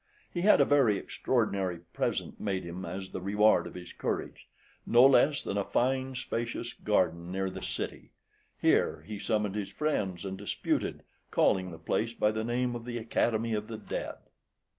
He had a very extraordinary present made him as the reward of his courage, no less than a fine spacious garden near the city; here he summoned his friends and disputed, calling the place by the name of the Academy of the Dead.